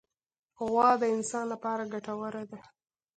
غوا د انسان له پاره ګټوره ده.